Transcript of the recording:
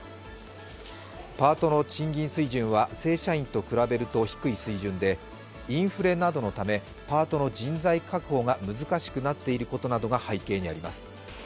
パートの賃金水準は正社員と比べると低い水準でインフレなどのためパートの人材確保が難しくなっていることが背景にあります。